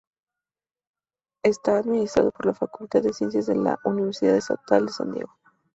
Está administrado por la Facultad de Ciencias de la Universidad Estatal de San Diego.